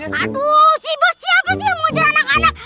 aduh si bos siapa sih yang mau mengejar anak anak